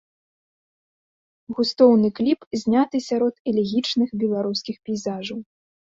Густоўны кліп зняты сярод элегічных беларускіх пейзажаў.